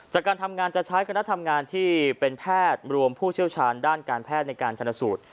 จากการทำงานจะใช้คณะทำงานที่เป็นแพทย์รวมผู้เชี่ยวชาญด้านการแพทย์ในการชนสูตร